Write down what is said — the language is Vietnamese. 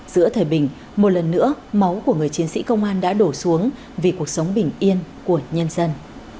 giữa thời bình một lần nữa máu của người chiến sĩ công an đã đổ xuống vì cuộc sống bình yên của nhân dân